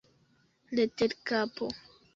Leterkapo.